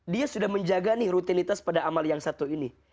dia sudah menjaga nih rutinitas pada amal yang satu ini